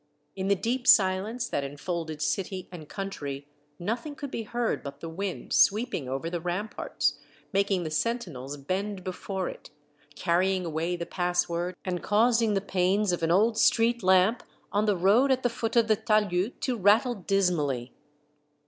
In the deep silence that enfolded city and country nothing could be heard but the wind sweeping over the ramparts, making the sentinels bend be fore it, carrying away the password, and causing the panes of an old street lamp on the road at the foot of the talus to rattle dismally.